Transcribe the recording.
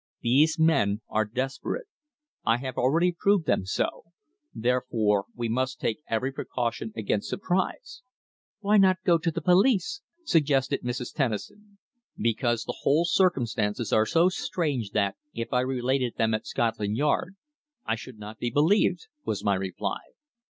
These men are desperate. I have already proved them so. Therefore we must take every precaution against surprise." "Why not go to the police?" suggested Mrs. Tennison. "Because the whole circumstances are so strange that, if I related them at Scotland Yard, I should not be believed," was my reply.